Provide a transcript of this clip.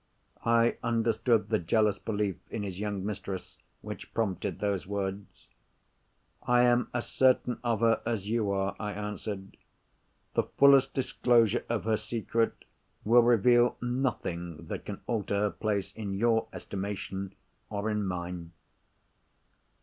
I understood the jealous belief in his young mistress which prompted those words. "I am as certain of her as you are," I answered. "The fullest disclosure of her secret will reveal nothing that can alter her place in your estimation, or in mine."